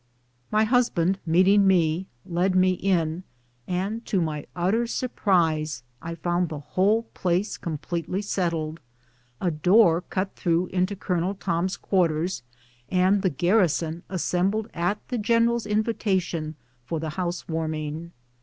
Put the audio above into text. My husband, meeting me, led me in, and to my utter surprise I found the whole place completely settled, a door cut through into Colonel Tom's quarters, and the garrison assembled at the general's invitation for the house warming.